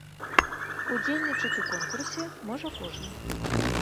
Удзельнічаць у конкурсе можа кожны.